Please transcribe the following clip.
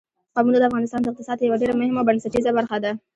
قومونه د افغانستان د اقتصاد یوه ډېره مهمه او بنسټیزه برخه ده.